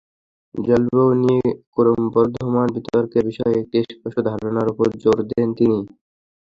জলবায়ু নিয়ে ক্রমবর্ধমান বিতর্কের বিষয়ে একটি স্পষ্ট ধারণার ওপর জোর দেন তিনি।